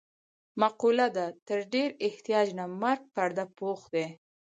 مقوله ده: تر ډېر احتیاج نه مرګ پرده پوښ دی.